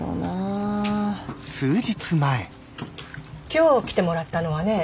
今日来てもらったのはね